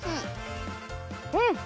うん！